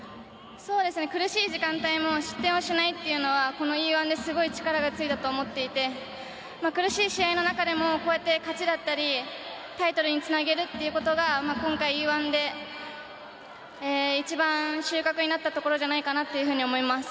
苦しい時間帯も失点をしないというのはこのＥ‐１ですごい力がついたと思っていて苦しい試合の中でもこうやって勝ちだったりタイトルにつなげることが今回、Ｅ‐１で一番収穫になったところじゃないかなと思います。